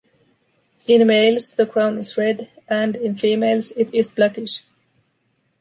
In males, the crown is red, and, in females, it is blackish.